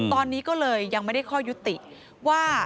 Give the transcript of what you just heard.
ตอนนี้ก็เลยยังไม่ได้ข้อยุติว่า